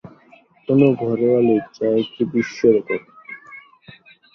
কোন ঘরোয়া লীগে যা একটি বিশ্ব রেকর্ড।